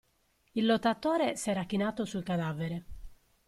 Il Lottatore s'era chinato sul cadavere.